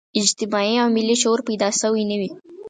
اجتماعي او ملي شعور پیدا شوی نه وي.